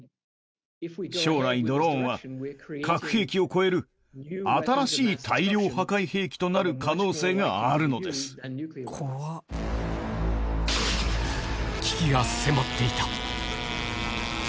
将来、ドローンは核兵器を超える新しい大量破壊兵器となる可能性がある危機が迫っていた。